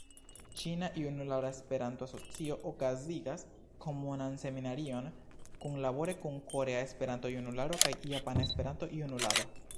Ĉina Junulara Esperanto-Asocio okazigas Komunan Seminarion kunlabore kun Korea Esperanto-Junularo kaj Japana Esperanto-Junularo.